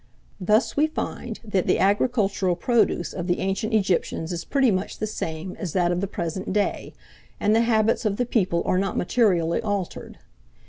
Thus we find that the agricultural produce of the ancient Egyptians is pretty much the same as that of the present day, and the habits of the people are not materially altered.